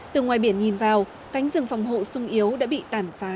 từ ngoài biển nhìn vào cánh rừng phòng hộ sung yếu đã bị tàn phá